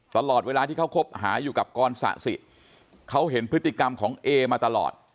ตลอดเวลาที่เขาคบหาอยู่กับกรสะสิเขาเห็นพฤติกรรมของเอมาตลอด